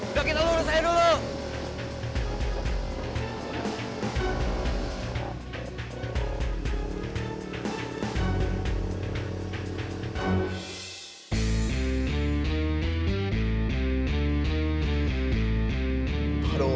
udah kita urus aja dulu